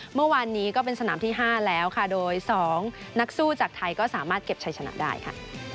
เมื่อวานนี้ก็เป็นสนามที่๕แล้วค่ะโดย๒นักสู้จากไทยก็สามารถเก็บชัยชนะได้ค่ะ